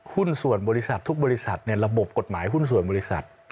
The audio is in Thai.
หุ้นส่วนบริษัททุกบริษัทในระบบกฎหมายหุ้นส่วนบริษัท